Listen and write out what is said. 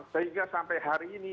sehingga sampai hari ini